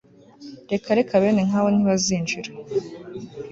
Reka Reka Bene nkabo ntibazinjira